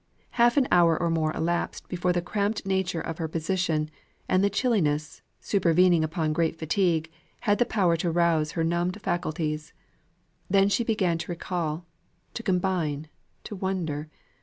Half an hour or more elapsed before the cramped nature of her position, and the chilliness, supervening upon great fatigue, had the power to rouse her numbed faculties. Then she began to recall, to combine, to wonder.